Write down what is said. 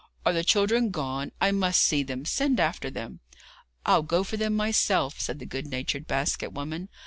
'Are the children gone? I must see them; send after them.' 'I'll go for them myself,' said the good natured basket woman.